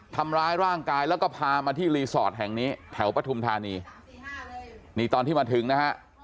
ทำร้ายร่างกายแล้วก็พามาที่รีสอร์ทแห่งนี้แถวปฐุมธานีนี่ตอนที่มาถึงนะฮะ